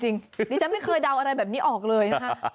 ตอนนี้จำไม่เคยดาวอะไรแบบนี้ออกเลย